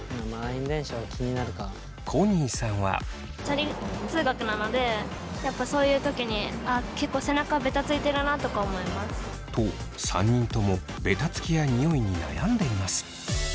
コニーさんは。と３人ともベタつきやニオイに悩んでいます。